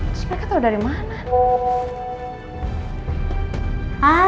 terus mereka tau dari mana